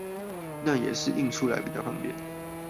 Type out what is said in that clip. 那也是印出來比較方便